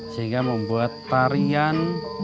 sehingga membuat tarian